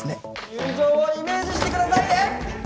入場をイメージしてくださいね！